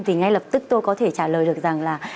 thì ngay lập tức tôi có thể trả lời được rằng là